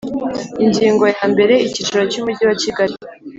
Ingingo yambere Icyicaro cy Umujyi wa Kigali